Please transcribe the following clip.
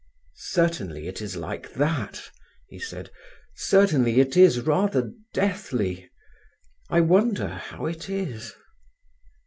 "Certainly it is like that," he said. "Certainly it is rather deathly. I wonder how it is."